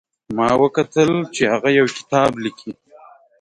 ما وکتل چې هغه یو کتاب لیکي